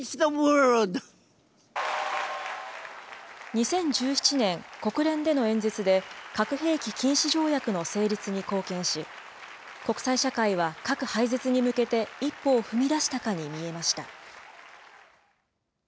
２０１７年、国連での演説で、核兵器禁止条約の成立に貢献し、国際社会は核廃絶に向けて一歩を踏み出したかに見えました。